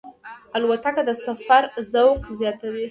الوتکه د سفر ذوق زیاتوي.